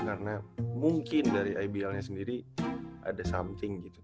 karena mungkin dari ibl nya sendiri ada something gitu